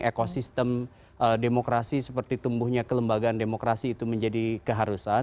ekosistem demokrasi seperti tumbuhnya kelembagaan demokrasi itu menjadi keharusan